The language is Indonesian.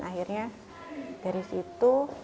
akhirnya dari situ